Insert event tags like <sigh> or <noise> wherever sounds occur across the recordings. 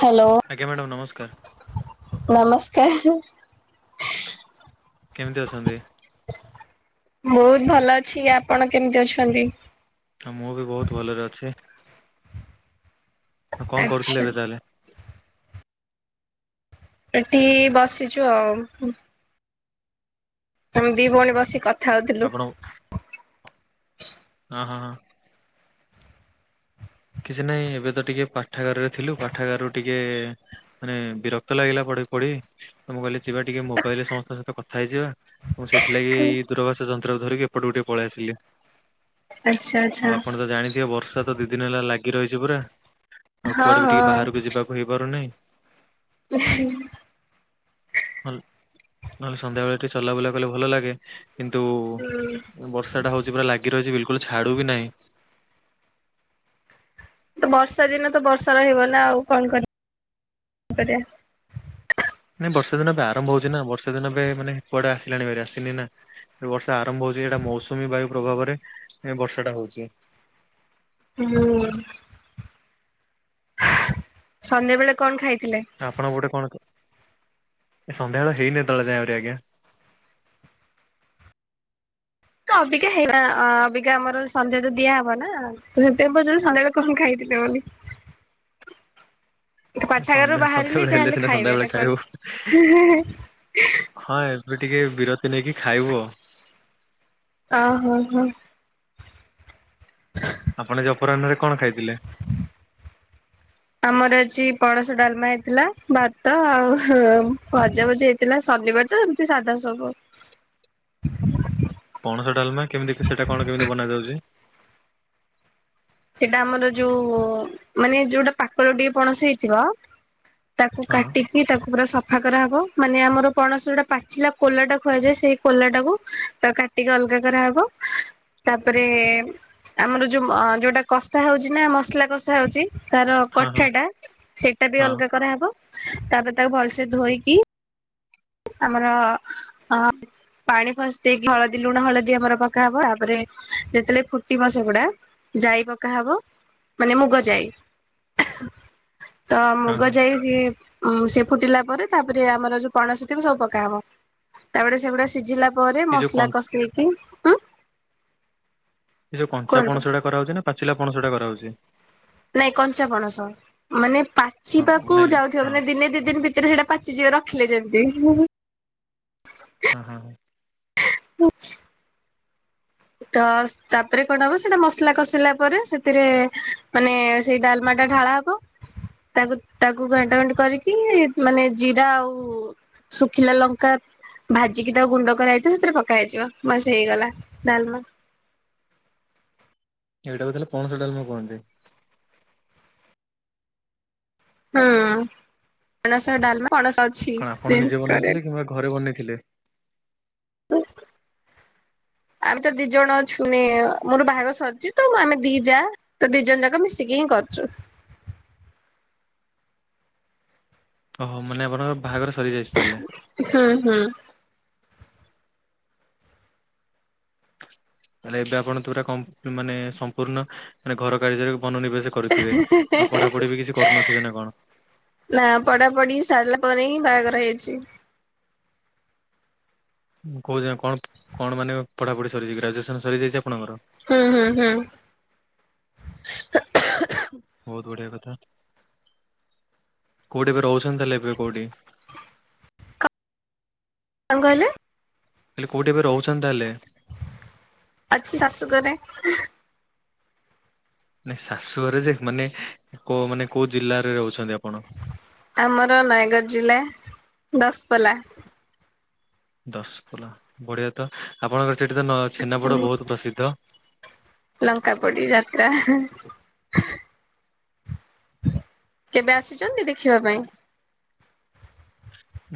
Hello. ଆଜ୍ଞା madam ନମସ୍କାର। ନମସ୍କାର। କେମିତି ଅଛନ୍ତି? ବୋହୁତ ଭଲ ଅଛି ଆପଣ କେମିତି ଅଛନ୍ତି? ମୁଁ ବି ବୋହୁତ ଭଲରେ ଅଛି। ଆଉ କଣ ଆଚ୍ଛା। କରୁଥିଲେ ଏବେ ତାହେଲେ? ଏଠି ବସିଛୁ ଆଉ। ଆମେ ଦିଇ ଭଉଣୀ ବସି ହଉଥିଲୁ। ଆପଣ ହଁ ହଁ ହଁ। କିଛି ନାହିଁ ଏବେ ତ ଟିକେ ପାଠାଗାରରେ ଥିଲୁ ପାଠାଗାରରୁ ଟିକେ ଟିକେ ମାନେ ବିରକ୍ତ ଲାଗିଲା ପଢ଼ି ପଢ଼ି। ତ ମୁଁ କହିଲି ଯିବା ଟିକେ ମୋବାଇଲି ରେ ସମସ୍ତଙ୍କ ସହିତ କଥା ହେଇଯିବା ତ ସେଥିଲାଗି ଦୂରବାସା ଯନ୍ତ୍ରକୁ ଧରିକି ଏପଟକୁ ଟିକେ ପଳେଇ ଆସିଲି ଆଚ୍ଛା ଆଚ୍ଛା ଆଉ ଆପଣ ତ ଜାଣିଥିବେ ବର୍ଷା ଦିଇ ଦିନ ହେଲା ଲାଗି ରହିଛି ପୁରା ଆଉ ହଁ କୁଆଡେ ବି ହଁ ଟିକେ ବାହାରକୁ ଯିବାକୁ ହେଇପାରୁନାହିଁ। ହେ। ନହେଲେ ସନ୍ଧ୍ୟା ବେଳେ ଟିକେ ଚଲା ବୁଲା କଲେ ଭଲ ଲାଗେ। କିନ୍ତୁ ହୁଁ। ବର୍ଷା ଟା ହୋଉଚି ପୁରା ଲାଗି ରହିଛି ବିଲକୁଲ ଛାଡୁ ବି ନାହିଁ। ତ ବର୍ଷା ଦିନ ତ ବର୍ଷା ରହିବନା ଆଉ କଣ କରିବା କରିବା। ନାଇଁ ବର୍ଷେ ଦିନ ଏ ଆରମ୍ଭ ହୋଉଛି ନା ବର୍ଷେ ଦିନ ଏ ମାନେ କୁଆଡେ ଆସିଲାଣି ଭାରି ଆସିନି ନା। ବର୍ଷା ଆରମ୍ଭ ହୋଉଛି ଏଟା ମୌସୁମୀ ବାୟୁ ପ୍ରଭାବରେ ବର୍ଷା ଟା ହୋଉଛି। ହୁଁ। ସନ୍ଧ୍ୟାବେଳେ କଣ ଖାଇଥିଲେ। ଆପଣ ଗୋଟେ କଣ ଏ ସନ୍ଧ୍ୟାବେଳ ହେଇନି ଦଳେ ଯାଏଁବରି ଆଜ୍ଞା। ଅବିକା ହେଇ ଅବିକା ଆମର ସନ୍ଧ୍ୟା ତ ଦିଆହବ ନା? ତ ସେତେବେଳେ ପିଲ ସନ୍ଧ୍ୟା ବେଳେ କଣ ଖାଇଥିଲେ ବୋଲି। ପାଠାଗାରରୁ ସନ୍ଧ୍ୟା ବାହାରିଲେ ସନ୍ଧ୍ୟାବେଳେ ହେଲେ ଯାହାହେଲେ ସିନା ଖାଇବେ ସନ୍ଧ୍ୟାବେଳେ ନା କଣ? ଖାଇବୁ। ହଁ ଏବେ ଟିକେ ବିରତି ନେଇକି ଖାଇବୁ ଆ। ଓ ହୋ ହୋ। ଆପଣ ଯେ ଅପରାହ୍ନରେ କଣ ଖାଇଥିଲେ। ଆମର ଅଛି ପଣସ ଡାଲମା ହେଇଥିଲା ଭାତ ଆଉ ଭଜା ଭଜି ହେଇ? ଥିଲା ଶନିବାର ତ ଏମତି ସାଧା ସବୁ? ପଣସ ଡ଼ାଲମା କେମିତି ସେଟା କଣ କେମିତି ବନାଯାଉଛି। ସେଇଟା ଆମର ଯୋଉ ମାନେ ଯୋଉଟା ପାଖର ଟିକେ ପଣସ ହେଇଥିବ। ତାକୁ ହଁ କାଟି? କି ତାକୁ ପୁରା ସଫା କରାହବ ମାନେ ଆମର ପଣସ ଗୋଟେ ପାଚିଲା କୋଲାଟା ଖୁଆଯାଏ ସେଇ କୋଲାଟାକୁ ତାକୁ କାଟ। ଟିକେ ଅଲଗା କରାହବ ତାପରେ ଆମର ଯୋଉ ଯୋଉଟା? କଷା ହଉଛି ନା ମସଲା କଷା ହଉଛି ତାର ହଁ ହଁ କଠା ଟା ସେଇଟା ବି ହଁ ଅଲଗା କରାହେବ। ତାପରେ ତାକୁ ଭଲସେ ଧୋଇକି? ଆମର ଅ? ପାଣି ଫସି ଦେଇକ ହଳଦୀ ଲୁଣ ହଳଦୀ ଆମର ପକାହବ ତାପରେ ଯେତେବେଳେ ଫୁଟି ସେ ଗୁଡା? ଯାଇ ପକା ହବ ମାନେ ମୁଗ ଯାଇ। ତ ହଁ ମୁଗ ହଁ ଯାଇ ସି ସେ ଫୁଟିଲା ପରେ ତାପରେ ଆମର ଯୋଉ ପଣସ? ସବୁ ପକା ହବ ତାପ ସେଗୁଡା ସିଝିଲା ପରେ ଏ ଯୋଉ କ ମସଲା କଷେଇକି? ଉଁ ଏ ଯୋଉ କଞ୍ଚା କୁହନ୍ତୁ ପଣ ସେ ଗଟା ହଉଛି ନା ପାଚିଲା ପଣ ରେ କରହଉଚି? ନାଇଁ କଞ୍ଚା ପଣସ ମାନେ ହଁ ପାଚିବାକୁ? ନାଇଁ ଯାଉଥିବ ହଁ ମାନେ ଦିନେ ଦି ଦିନ ଭିତରେ ସେଇଟା ପାଚିଯିବ ରଖିଲେ ଯେମତି। ହଁ ହଁ ହଁ ପୁଚ। ତ ତାପରେ କଣ ହବ ସେଟା ମସଲା କଷିଲା ପରେ ସେଥିରେ ମାନେ ସେଇ ଡାଲମାଟା ଢାଳବ? ତାକୁ ତାକୁ ଘଣ୍ଟ ଘେଣ୍ଟ କରିକି ମାନେ ଜିରା ଆଉ? ଶୁଖିଲା ଲଙ୍କା? ଭାଜିକି ତା ଗୁଣ୍ଡ କର ହେଇଥିବ ସେଥିରେ ପକା ହେଇଯିବ ବସ ହେଇଗଲା ଡାଲମା। ଏଇଟା ତାହେଲେ ପଣସ ଡାଲମା କହନ୍ତି ହୁଁ ପଣସ ଡାଲମା ପଣସ ଅଛି କଣ ଆପଣ ନିଜେ କରିବାକୁ। ବନେଇଥିଲେ କିମ୍ବା ଘରେ ବନେଇଥିଲେ? ହୁଁ ଆମେ ତ ଦି ଜଣ ଛୁନି ମୋର ବାହାଘ ସରିଛି ତ ଆମେ ଦି ଯା? ତ ଦି ଜଣ ଯାକ ମିଶିକି ହିଁ କରୁଛୁ। ଓହୋ ମାନେ ଆପଣଙ୍କର ବାହାଘର ସରିଯାଇଛି ତାହେଲେ। ହୁଁ ହୁଁ। ଲେ ଏବେ ଆପଣ ପୁରା ମାନେ ସମ୍ପୂର୍ଣ୍ଣ ମାନେ ଘର କାର୍ଯ୍ୟରେ ବନନିବେଶ? କରିଥିବେ ଆଉ ପଢାପଢି ବି କିଛି କରୁନଥିବେ ନା କଣ। ନା ପଢା ପଢି ସାରିଲା ପରେ ହିଁ ବାହାଘର ହେଇଛି। କହୁଛି ନା କଣ କଣ ମାନେ ପଢାପଢି ସରିଯଛି ଗ୍ରାଜୁଏସନ ସରିଯାଇଛି ଆପଣଙ୍କର। ହୁଁ ହୁଁ ହୁଁ। ବହୁତ ବଢିଆ କଥା କଉଠି ଏବେ ରହୁଛି ଛନ୍ତି ତାହେଲେ କଉଠି। କଣ କହିଲେ? ହେଲେ କଉଠି ଏବେ ରହୁଛନ୍ତି ତାହେଲେ? ଅଛି ଶାଶୁ ଘରେ। ଶାଶୁଘରେ ଯେ ମାନେ କ ମାନେ କଉ ଜିଲ୍ଲାରେ ରହୁଛନ୍ତି ଆପଣ? ଆମର ନୟାଗଡ଼ ଜିଲ୍ଲା ଦଶପଲା। ଦଶପଲା ବଢ଼ିଆ ତ ଆପଣଙ୍କର ସେଠି ତ ଛେନାପଡ଼ ବହୁତ ପ୍ରସିଦ୍ଧ। ଲଙ୍କା ପଡ଼ି ଯାତ୍ରା। କେବେ ଆସିଛନ୍ତି ଦେଖିବା ପାଇଁ?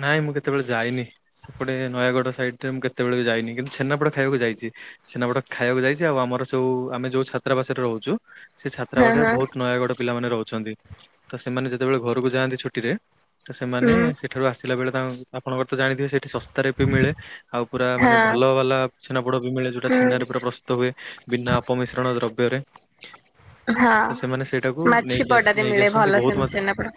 ନାଇଁ ମୁଁ କେତେବେଳେ ଯାଇନି। ସେପଟେ ନୟାଗଡ଼ ସାଇଡ ରେ ମୁଁ କେତେବେଳେ ବି ଯାଇନି କିନ୍ତୁ ଛେନାପୋଡ଼ ଖାଇବାକୁ ଯାଇଛି। ଛେନାପୋଡ଼ ଖାଇବାକୁ ଯାଇଛି ଆଉ ଆମର ସବ ଆମେ ଯୋଉ ଛାତ୍ରାବାସରେ ରହୁଛୁ। ସେ ହଁ ଛାତ୍ରାବାସରେ ହଁ ବହୁତ ନୟାଗଡ଼ ପିଲାମାନେ ରହୁଛନ୍ତି ତ ସେମାନେ ଯେତେବେଳେ ଘରକୁ ଯାଆନ୍ତି ଛୁଟିରେ। ତ ସେମାନେ ହୁଁ ସେଠାରୁ ଆସିଲା ବେଳେ ତା ଆପଣଙ୍କର ତ ଜାଣିଥିବେ ସେଇଠି ଶସ୍ ରେ ବି ମିଳେ ଆଉ ପୁରା ମାନେ ହଁ ଭଲ ବାଲା ଛେନା ପୋଡ ବି ମିଳେ ଯୋଉଟା ହୁଁ ଛେନାରେ ପୁରା ପ୍ରସ୍ତୁତ ହୁଏ। ବିନା ପମିଶ୍ରଣ ଦ୍ରବ୍ୟରେ। ତ ହଁ ସେମାନେ ସେଇଟାକୁ ମାଛି ନେଇକି ପଡାରେ ନେଇକି ମିଳେ ଭଲ ଆସୁଛନ୍ତି ବହୁତ ସେମିତି ମାତ୍ରା ଛେନାପୋଡ।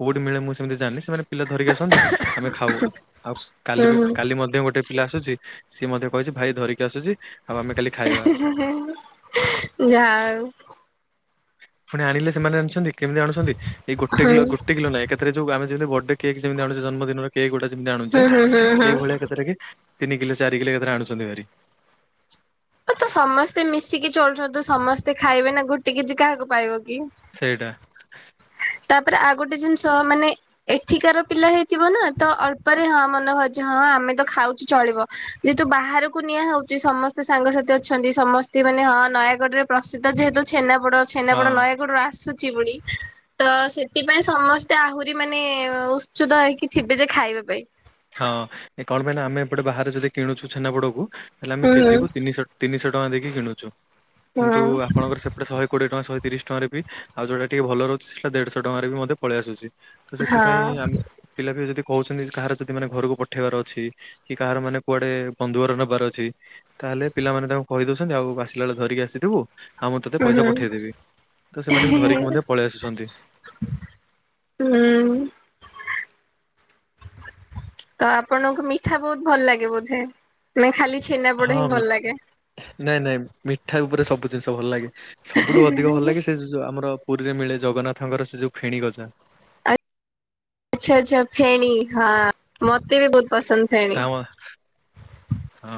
କୋଉଠି ମିଳେ ମୁଁ ସେମିତି ଜାଣିନି ସେମାନେ ପିଲା ଧରିକି ଆସନ୍ତି ଆମେ ଖାଉ ଆଉ ହୁଁ କାଲି ବି ହୁଁ କାଲି ମଧ୍ୟ ଗୋଟେ ପିଲା ଆସୁଛି ସିଏ ମଧ୍ୟ କହିଛି ଭାଇ ଧରିକି ଆସୁଛି ଆଉ ଆମେ କାଲି ଖାଇ ଯା ହଉ। ପୁଣି ଆଣିଲେ ସେମାନେ ଆଣିଛନ୍ତି କେମିତି ଆଣୁଛନ୍ତି ଏଇ ଗୋଟେ କିଲୋ ହୁଁ ଗୋଟେ କିଲୋ ନାହିଁ ଏକଥରେ ଯୋଉ ଆମେ ଯେମିତି ବଡେ କେକ୍ ଯେମିତି ଆଣୁଛେ ଜନ୍ମଦିନର କେକ୍ ଗୁଡ଼ାକ ଯେମିତି ହୁଁ ଆଣୁଛେ ହୁଁ ହୁଁ ହୁଁ। ସେଇ ଭଳିଆ ଏକା ଥରକେ ତିନି କିଲୋ ଚାରି କିଲୋ ଏଥର ଆଣୁଛନ୍ତି ଭାରି ତ ସମସ୍ତେ ମିଶିକି ଚଳୁଛନ୍ତି ସମସ୍ତେ ଖାଇବେ ନା ଗୋଟ କିଛି କାହାକୁ ପାଇବ କି। ସେଇଟା। ତାପରେ ଆଉ ଗୋଟେ ଜିନିଷ ମାନେ ଏଠିକାର ପିଲା ହେଇଥିବ ନା ତ ଅଳ୍ପରେ ରେ ହଁ ମନେ ହଁ ଆମେ ତ ଖାଉଛୁ ଚଳିବ। ଯେହେତୁ ବାହାରକୁ ନିଆ ହଉଚଛି ସମସ୍ତେ ସାଙ୍ଗସାଥି ଅଛନ୍ତି ସମସ୍ତେ ମାନେ ହଁ ନୟାଗଡ଼ରେ ପ୍ରସିଦ୍ଧ ଯେହେତୁ ଛେନାପୋଡ଼ ହଁ ଛେନାପୋଡ଼ ନୟାଗଡ଼ରୁ ଆସୁଛି ପୁଣି। ତ ସେଥିପାଇଁ ସମସ୍ତେ ଆହୁରି ମାନେ ଉତ୍ସୁଦ ହେଇକି ଥିବେ ଯେ ଖାଇବା ପାଇଁ। ହଁ କଣ ପାଇଁ ନା ଆମେ ଏପଟେ ବାହାରେ ଯଦି କିଣୁଛୁ ଛେନାପୋଡ଼କୁ ତାହେଲେ ଆମେ ହୁଁ କେଜିକୁ ହୁଁ ତିନିଶହ ତିନିଶହ ଟଙ୍କା ଦେଇକି କିଣୁଛୁ କିନ୍ତୁ ଆପଣଙ୍କର ସେ ଶହେ କୋଡ଼ିଏ ଟଙ୍କ ଶହେ ତିରିଶ ଟଙ୍କାରେ ବି ଆଉ ଯଉଟା ଟିକେ ଭଲ ରହୁଛି ସେଟା ଦେଢ଼ଶହ ଟଙ୍କାରେ ବି ମଧ୍ୟ ପଳେଇ ଆସଛି। ତ ସେଥିପାଇଁ ହୁଁ ଆମେ ପିଲା ବି ଯଦି କହୁଛନ୍ତି କାହାର ଯଦି ସେ ମାନେ ଘରକୁ ପଠେଇବାର ଅଛି କି କାହାର ମାନେ କୁଆଡ଼େ ବନ୍ଧୁ ଘର ନେବାର ଅଛି ତାହେଲେ ପିଲାମାନେ ତାଙ୍କୁ କହି ଦଉଛନ୍ତି ଆଉ ଆସିଲା ବେଳେ ଧରିକି ଆସିଥିବୁ। ଆଉ ମୁଁ ତତେ ପଇସା ହୁଁ। ପଠେଇଦେବି ତ ସେମାନେ ବି ଧରିକି ମଧ୍ୟ ପଳେଇ ଆସୁଛନ୍ତି। ହୁଁ। ତ ଆପଣଙ୍କୁ ମିଠା ବହୁତ ଭଲ ଲାଗେ ବୋଧେ। ନା ଖାଲି ଛେନାପୋଡ଼ ହଁ ହିଁ ଭଲ ମିଠା ଲାଗେ। ନାଇଁ ନାଇଁ ମିଠା ଉପରେ ସବୁ ଜିନିଷ ଭଲ ଲାଗେ ସବୁଠୁ ଅଧିକ ଭଲ ଲାଗେ ସେଉ ଯ ଆମର ପୁରୀରେ ମିଳେ ଜଗନ୍ନାଥଙ୍କର ସେ ଯଉ ଫେଣି ଗଜା। ଆଚ୍ଛା ଆଚ୍ଛା ଫେଣୀ ହଁ ମୋତେ ବି ବହୁତ ପସନ୍ଦ ଫେଣି। ହ <inaudible> ହଁ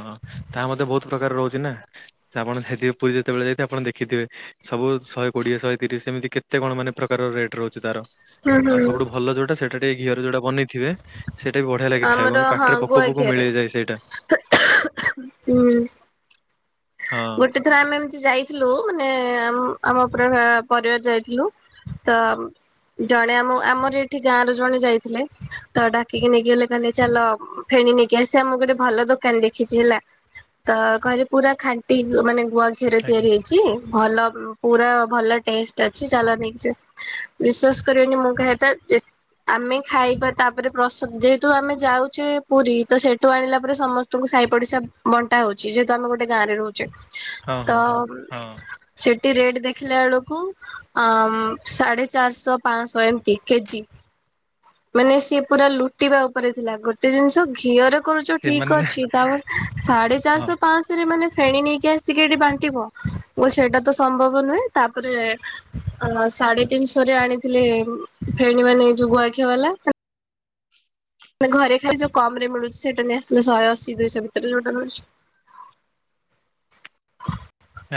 ତାହା ମଧ୍ଯ ବହୁତ ପ୍ରକାର ରହୁଛି ନା ସେ ଆପଣ ଯାଇଥିବେ ପୁରୀ ଯେତେବେଳେ ଯାଇଥିବେ ଆପଣ ଦେଖିଥିବେ। ସବୁ ଶହେ କୋଡିଏ ଶହେ ତିରିଶ ସେମିତି କେତେ କଣ ମାନେ ପ୍ରକାର ରେଟ୍ ରହୁଚି ତାର। ହୁଁ ଆଉ ହୁଁ। ସବୁଠୁ ଭଲ ଯୋଉଟା ସେଇଟା ଟିକେ ଘିଅର ଯୋଉଟା ବନେଇଥିବେ। ସେଇଟା ବି ବଢିଆ ଲାଗେ ଖାଇବା ଆମର ମାନେ ହଁ ପାଟିରେ ଗୁଆ ପକୋଉ ପକୋଉ ଘିଅରେ ମିଳେଇ ଯାଏ ସେଇଟା। <unintelligible> ହୁଁ। ହଁ ଗୋଟେ ଥର ଆମେ ଏମିତି ଯାଇଥିଲୁ ମାନେ ଆମ୍ ଆମ ପୁରା ପା ପରିବାର ଯାଇଥିଲୁ। ତ ଜଣେ ଆମ ଆମର ଏଠି ଗାଁର ଜଣେ ଯାଇଥିଲେ ତ ଡାକିକି ନେଇକି ଗଲେ କହିଲେ ଚାଲ ଫେଣି ନେଇକିି ଆସିବା। ମୁଁ କହିଲି ଭଲ ଦୋକାନ ଦେଖିଚି ହେଲା ତ କହିଲେ ପୁରା ଖା ଣ୍ଟି ମାନେ ଗୁଆ ଘିରରେ ଆଜ୍ଞା ତିଆରି ହେ ଇଚି ଭଲ ଉଁ ପୁରା ଭଲ ଟେଷ୍ଟ ଅଛି। ଚାଲ ନେଇକ ଯିବା। ବିଶ୍ଵାସ କରିବେନି ମୁଁ କହିବା କଥା ଯେ ଆମେ ଖାଇବା ତାପରେ ପ୍ରସଦ ଯେହେତୁ ଆମେ ଯାଉଛେ ପୁରି ତ ସେଠୁ ଆଣିଲା ପରେ ସମ ତମକୁ ସାହି ପଡିଶା ବଣ୍ଟା ହୋଉଚି ଯେହେତୁ ଆମେ ଗୋଟେ ଗାଁରେ ରହୁଚେ ହଁ ତ ହଁ ହଁ ଉଁ। ହଁ ସେଠି ରେଟ୍ ଦେଖିଲା ବେଳକୁ ଅଂମୁ ସାଢେ ଚାରିଶହ ପାଞ୍ଚଶହ ଏମତି କେଜି। ମାନେ ସିଏ ପୁରା ଲୁଟିବା ଉପରେ ଥିଲା ଗୋଟେ ଜିନିଷ ଘିଅର କରୁଚ ଠିକ୍ ସେମାନେ ଅଛି ତାମାନେ ସାଢେ ହଁ ଚାରିଶହ ପାଂଶରେ ଏମାନେ ଫେଣୀ ନେଇକି ଆସିକି ଏଠି ବାଣ୍ଟିବ। ମୁଁ କହିଲି ସେଇଟା ତ ସମ୍ଭବ ନୁହେଁ ତାପରେ ଆ ସାଢେ ତିନିଶହରେ ଆଣିଥିଲି ଫେଣୀ ମାନେ ଯୋଉ ଗୁଆଘିଅ ବାଲା। ମାନେ ଘରେ ଖାଏ ଯୋଉ କମରେ ମିଳୁଚି ସେଇଟା ନେଇ ଆସିଲ ଶ‌ଏ ଅଶୀ ଦୁଇଶହ ଭିତରେ ଯୋଉଟା ମିଳୁଚି।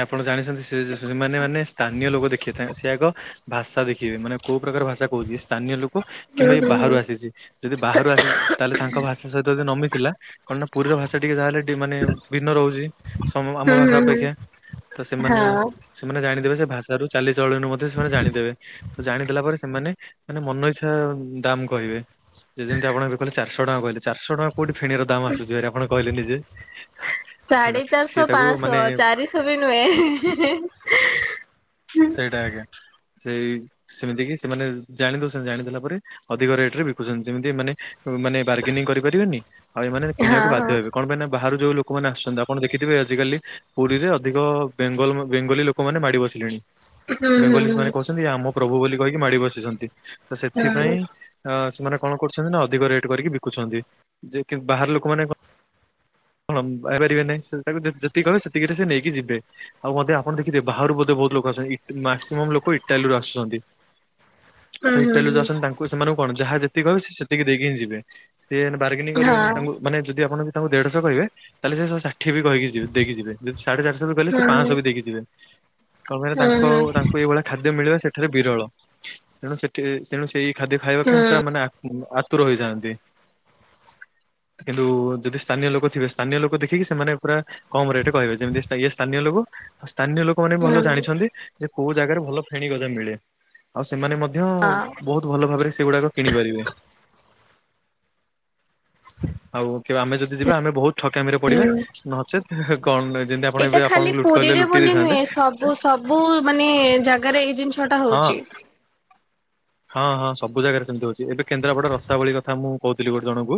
ଆପଣ ଜାଣିଚନ୍ତି ସେ ସେମାନେ ମାନେ ସ୍ଥାନୀୟ ଲୋକ ଦେଖିବେ ସେ ଆଗ ଭାଷା ଦେଖିବେ ମାନେ କୋଉ ପ୍ରକାର ଭାଷା କୋହୁଚି ଇଏ ସ୍ଥାନୀୟ ଲୋ କ ହୁଁ କିମ୍ବା ଏ ହୁଁ ବାହାରୁ ହୁଁ ଆସିଚି। ଯଦି ବାହାରୁ ଆସିଚ ତାହେଲେ ତାଙ୍କ ଭାଷା ସହିତ ଯଦି ନ ମିିଶିଲା। କଣ ନା ପୁରିର ଭାଷା ଟିକେ ଯାହା ହେଲେ ଟିକେ ମାନେ ଭିନ୍ନ ରହୁଚି। ସମ ହୁଁ ଆମ ହୁଁ ଭାଷା ହୁଁ ଅପେକ୍ଷା। ତ ସେମାନେ ହଁ। ସେମାନେ ଜାଣିଦେବେ ସେ ଭାଷାରୁ ଚାଲି ଚଳନିରୁ ମଧ୍ୟ ସେମାନେ ଜାଣିଦେବେ ତ ଜାଣିଦେଲା ପରେ ସେମାନେ ମାନେ ମନ ଇଛା ଦାମ୍ କହିବେ। ଯେ-ଯେମିତି ଆପଣ ଏବେ କହିଲେ ଚାରିଶହ ଟଙ୍କା କହିଲେ ଚାରିଶହ ଟଙ୍କା କୋଉଠି ଫେଣିର ଦାମ୍ ଆସୁଚିଭାରି ଆପଣ କହିଲେ ନିଜେ। ସାଢେ ହେଲା। ସିଏ ଚାରିଶହ ତାକୁ ପାଂଶହ ମାନେ ଚାରିଶହ ବି ନୁହେଁ। ସେଇଟା ଆଜ୍ଞା ସେଇ ସେମିତି କି ସେମାନେ ଜାଣି ଦୋଉଚନନ୍ତି ଜାଣି ଦେଲା ପରେ ଅଧିକ ରେଟରେ ବିକୁଚନ୍ତି ଯେମିତି ମାନେ ମାନେ ବାର୍ଗେନିଂ କରିପାରିବେନି ଆଉ ଏମାନେ କିଣିବାକୁ ବାଧ୍ୟ ହେବେ। କଣ ପାଇଁ ନା ବାହାରୁ ଯୋଉ ଲୋକମାନେ ଆସୁଚନ୍ତି। ଆପଣ ଦେଖିଥିବେ ଆଜିକାଲି ପୁରିରେ ଅଧିକ ବେଙ୍ଗଲ ବେଙ୍ଗଲୀ ଲୋକମାନେ ମାଡି ବସିଲେଣି। ବେଙ୍ଗଲୀ ମାନେ କୋହୁଚନ୍ତି ଆମ ପ୍ରଭୁ ବୋଲି କହିକି ମାଡି ବସିଚନ୍ତି ତ ସେଥିପାଇଁ ଅ ସେମାନେ କଣ କରୁଚନ୍ତି ନା ଅଧିକ ରେଟ୍ କରିକି ବିକୁଛନ୍ତି। ଯେକି ବାହାର ଲୋକମାନେ କ କଣ ପାଇପାରିବେ ନାହିଁ। ସେ ତାକୁ ଯେ-ଯେତିକି କହିବେ ସେତିକିରେ ସେ ନେଇକି ଯିବେ। ଆଉ ମଧ୍ୟ ଆପଣ ଦେଖିଥିବେ ବାହାରୁ ବୋଧେ ବୋହୁତ ଲୋକ ଆସଚନ୍ତି। ଇଟ୍‌ ମାକ୍ସିମମ୍ ଲୋକ ଇଟାଲୀରୁ ଆସୁଚନ୍ତି। ଇଟାଲୀରୁ ଯୋଉ ଆସଚନ୍ତି ତାଙ୍କୁ ସେମାନଙ୍କୁ କଣ ଯାହା ଯେତିକି କହିବେ ସେ-ସେତିକି ଦେଇକି ହିଁ ଯିବେ। ସିଏ ହେଲେ ବାର୍ଗେିନିଂ କରିବେ ତାଙ୍କୁ ମାନେ ଯଦି ଆପଣ ତାଙ୍କୁ ଦେଢଶହ କରିବେ ତାହେଲେ ସେ ଶହେ ଷା ଠିଏ ବି କହିକି ଯିବେ ଦେଇକି ଯିବେ ଯଦି ସାଢେ ଚାରିଶହ ବି କହିଲେ ସିଏ ପାଂଶହ ବି ଦେଇକି ଯିବେ। କଣ କହିଲ ତାଙ୍କ ଆଉ ତା ଙ୍କୁ ଏଇଭଳିଆ ଖାଦ୍ୟ ମିଳିବା ସେଠାରେ ବିରଳ। ତେଣୁ ସେଠି ସେଣୁ ସେଇ ଖାଦ୍ୟ ଖାଇବା ପାଇଁ ପୁରା ମାନେ ଆକୁଳ ଆତୁର ହୋଇଯାଆନ୍ତି କିନ୍ତୁ ଯଦି ସ୍ଥାନୀୟ ଲୋକ ଥିବେ ସ୍ଥାନୀୟ ଲୋକ ଦେଖିକି ସେମାନେ ପୁରା କମ ରେଟ୍ କହିବେ। ଯେମିତି ଇଏ ସ୍ଥାନୀୟ ଲୋକ ଆଉ ସ୍ଥାନିୟ ଲୋ ଲୋକମାନେ ଭଲ ଜାଣିଛନ୍ତି ଯେ କୋଉ ଜାଗାରେ ଭଲ ଫେଣି ଗଜା ମିଳେ ଆଉ ସେମାନେ ମଧ୍ୟ ବହୁତ୍। ଭଲ ଭାବରେ ସେଗୁଡାକ କିଣିପାରିବେ। ଆଉ କିବା ଆମେ ଯଦି ଯିବା ଆମେ ବହୁତ୍ ଠକାମିରେ ପଡିବା ନଚେତ୍। କଣ ଯେମିତି ଆପଣ ଏଇଟା ଏବେ ଖାଲି ଆପଣଙ୍କୁ ଲୁଟି କହିଲେ ପୁରୀରେ ଲୁଟି ବୋଲି ଦେଇଥାନ୍ତେ ନୁହେଁ ସବୁ ସବୁ ମାନେ ଜାଗାରେ ଏଇ ଜିନ ଛଅଟା ହଁ ହଉଛି। ହଁ ହଁ ସବୁ ଜାଗାରେ ସେମତି ହଉଛି ଏବେ କେନ୍ଦ୍ରାପଡା ରସାବଳି କଥା ମୁଁ କହୁଥିଲି ଗୋଟେ ଜଣଙ୍କୁ।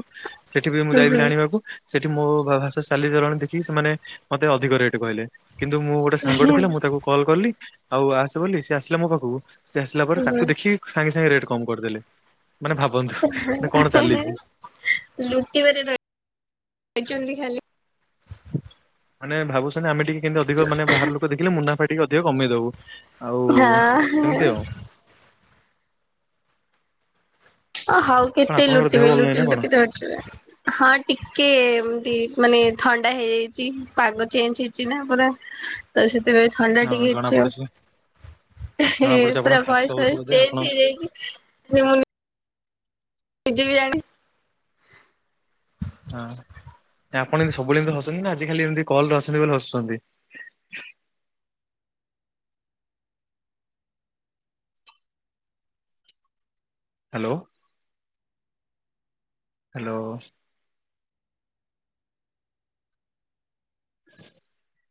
ସେଠି ବି ମୁଁ ହୁଁ ଯାଇଥିଲି ଆଣିବାକୁ। ସେଠି ମୋ ଭା ଭାଷା ଚାଲିଚଳଣି ଦେଖିକି ସେମାନେ ମତେ ଅଧିକ ରେଟ୍ କହିଲେ କିନ୍ତୁ ମୁଁ ଗୋ ଗୋଟେ ସାଙ୍ଗଟେ ଥିଲା ମୁଁ ତାକୁ କଲ୍ କଲି ଆଉ ଆସେ ବୋଲି ସେ ଆସିଲା ମୋ ପାଖୁକୁ ସେ ଆସିଲା ପରେ ହୁଁ ତାକୁ ଦେଖିକି। ସାଙ୍ଗେ ସାଙ୍ଗେ ରେଟ୍ କମ୍ କରିଦେଲେ ମାନେ ଭାବନ୍ତୁ ନା କଣ ଚାଲିଚି। ଲୁଟିବାରେ ରହିଯାଇଛନ୍ତି ଖାଲି। ମାନେ ଭାବୁଛନ୍ତି ଆମେ ଟିକେ କେମତି ଅଧିକ ମାନେ ବାହାର ଲୋକ ଦେଖିଲେ ମୁନାଫା ଟିକେ ଅଧିକ କମେଇଦବୁ। ଆଉ ହାଁ ହଁ। ସେମିତି ଆଉ ଓ ହଉ କଣ କେତେ ଆପଣଙ୍କର ଦେହ ଲୁଟିବେ ଭଲ ନାହିଁ ଲୁଟି ନା ଲୁଟି କଣ? କି ଡରଯିବେ। ହଁ ଟିକେ ଏମତି ମାନେ ଥଣ୍ଡା ହେଇଯାଇଚି ପାଗ ଚେଞ୍ଜ ହେଇଛି ନା ପୁରା। ତ ସେଥିପାଇଁ ଥଣ୍ଡା ହଁ ଟିକେ ଜଣା ହେଛି ପଡୁଛି ଜଣା ଆଉ। ପଡୁଛି ଆପଣ ପୁରା ଖାସ ଭଏସ୍ ହଉଛି ଫଏସ୍ ବୋଧେ ଆପଣ ହଁ ଚେଞ୍ଜ ହେଇଯାଇଛି <unintelligible> ନିଜେବି ଯାଣିନି। <unintelligible> ହଁ ଏ ଆପଣ ଇନ୍ତି ସବୁବେଳେ ଏମିତି ହସନ୍ତି ନା ଆଜି ଖାଲି ଏମତି କଲରେ ଅଛନ୍ତି ବୋଲି ହସୁଛନ୍ତି? ହାଲୋ। ହାଲୋ। <inaudible>